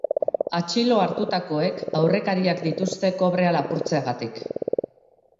Atxilo hartutakoek aurrekariak dituzte kobrea lapurtzeagatik.